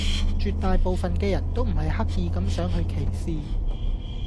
絕大部份嘅人都唔係刻意咁想去歧視